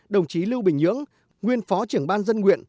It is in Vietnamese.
đồng chí lưu bình nhưỡng nguyên phó trưởng ban dân nguyện